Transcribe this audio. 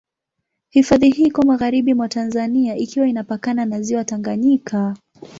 Hifadhi hii iko magharibi mwa Tanzania ikiwa inapakana na Ziwa Tanganyika.